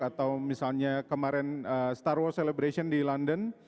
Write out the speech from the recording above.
atau misalnya kemarin star war celebration di london